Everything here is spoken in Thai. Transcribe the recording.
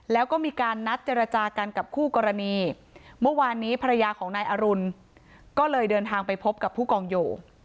แล้วก็มีการนัดเจรจากันกับคู่กรณีเมื่อวานนี้ภรรยาของนายอรุณก็เลยเดินทางไปพบกับผู้กองโย